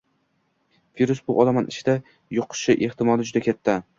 Virus bu olomon ichida yuqishi ehtimoli juda katta